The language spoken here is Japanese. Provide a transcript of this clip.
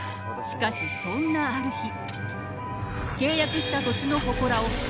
しかしそんなある日。